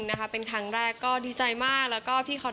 อาจจะเป็นของทุกคน